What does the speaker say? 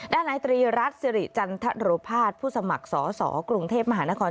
นายตรีรัฐสิริจันทรภาษผู้สมัครสอสอกรุงเทพมหานคร